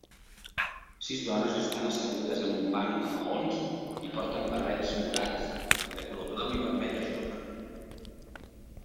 Sis dones estan assegudes en un banc de maons i porten barrets morats, i de color blau i vermell a joc.